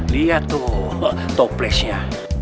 liat tuh toplesnya